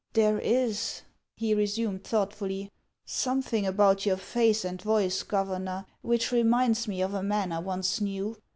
" There is," he resumed thoughtfully, " something about your face and voice, Governor, which reminds me of a man I once knew.